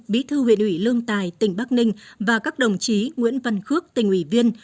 bí thư huyện ủy lương tài tỉnh bắc ninh và các đồng chí nguyễn văn khước tỉnh ủy viên